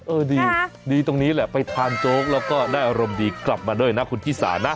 เออดีดีตรงนี้แหละไปทานโจ๊กแล้วก็ได้อารมณ์ดีกลับมาด้วยนะคุณชิสานะ